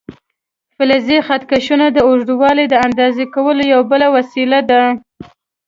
فلزي خط کشونه د اوږدوالي د اندازه کولو یوه بله وسیله ده.